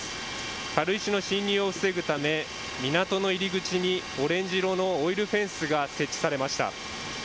軽石の侵入を防ぐため港の入り口にオレンジ色のオイルフェンスが設置されました。